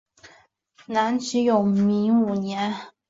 南齐永明五年。